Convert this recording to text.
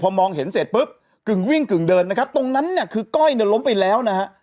พอมองเห็นเสร็จปุ๊บกึ่งวิ่งกึ่งเดินนะครับตรงนั้นเนี่ยคือก้อยเนี่ยล้มไปแล้วนะฮะ